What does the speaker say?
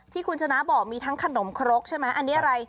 ที่คุณชนะบอกมีทั้งขนมครกใช่ไหมอันนี้อะไร